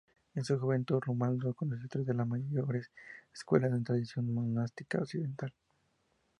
En su juventud Romualdo conoció tres de la mayores escuelas de tradición monástica occidental.